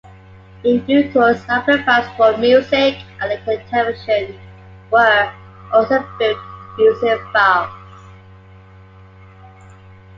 In due course amplifiers for music and later television were also built using valves.